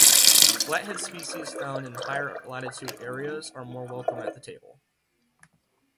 Flathead species found in higher latitude areas are more welcome at the table.